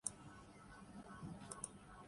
کوئی نہ کوئی مسئلہ سامنے آتا رہا۔